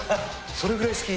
それぐらい好き。